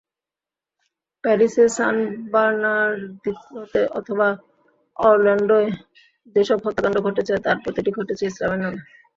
প্যারিসে, সান বার্নার্দিনোতে অথবা অরল্যান্ডোয় যেসব হত্যাকাণ্ড ঘটেছে, তার প্রতিটি ঘটেছে ইসলামের নামে।